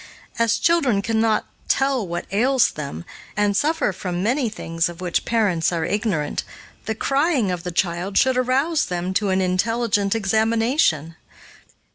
As children cannot tell what ails them, and suffer from many things of which parents are ignorant, the crying of the child should arouse them to an intelligent examination.